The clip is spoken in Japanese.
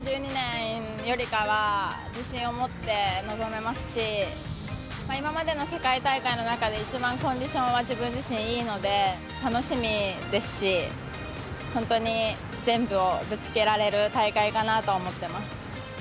間違いなく２０１２年よりかは、自信を持って臨めますし、今までの世界大会の中で、一番コンディションは自分自身いいので、楽しみですし、本当に全部をぶつけられる大会かなと思ってます。